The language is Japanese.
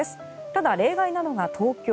ただ、例外なのが東京。